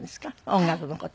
音楽の事。